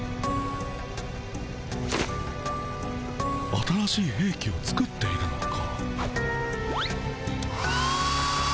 新しいへいきを作っているのか？